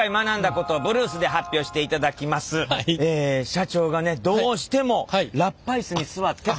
社長がねどうしてもラッパイスに座ってとのことで。